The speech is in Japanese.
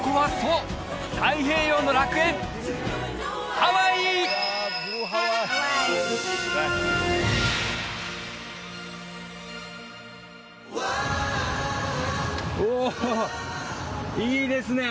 うわいいですね